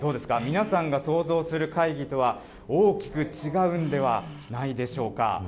皆さんが想像する会議とは大きく違うんではないでしょうか。